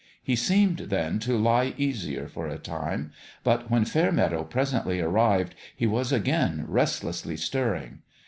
He seemed, then, to lie easier, for a time; but when Fair meadow presently arrived he was again restlessly stirring.